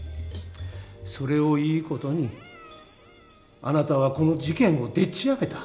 それをいい事にあなたはこの事件をでっちあげた。